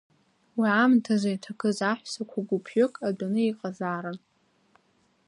Уи аамҭазы, иҭакыз аҳәсақәа гәыԥҩык, адәаны иҟазаарын.